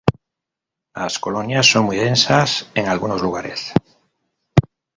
Las colonias son muy densas en algunos lugares.